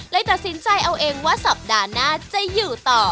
ตัดสินใจเอาเองว่าสัปดาห์หน้าจะอยู่ต่อ